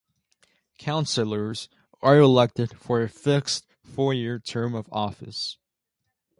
Councillors are elected for a fixed four-year term of office.